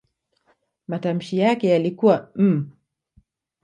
Matamshi yake yalikuwa "m".